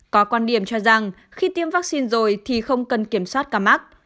có quan điểm cho rằng khi tiêm vaccine rồi thì không cần kiểm soát ca mắc